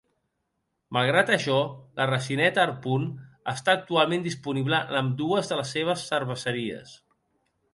No obstant això, la racinette Harpoon està actualment disponible en ambdues de les seves cerveseries.